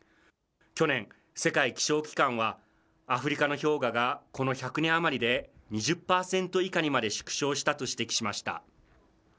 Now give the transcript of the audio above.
去年、世界気象機関は、アフリカの氷河がこの１００年余りで２０％以下にまで縮小したと指摘しました。